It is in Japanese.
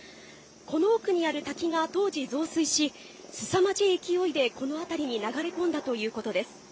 この奥にある滝が当時増水し、すさまじい勢いでこの辺りに流れ込んだということです。